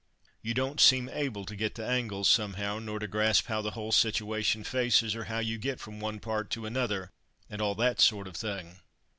You don't seem able to get the angles, somehow, nor to grasp how the whole situation faces, or how you get from one part to another, and all that sort of thing.